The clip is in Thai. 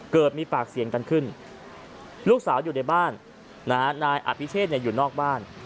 เกิดมีปากเสียงกันขึ้นลูกสาวอยู่ในบ้านนายอภิเชษอยู่นอกบ้าน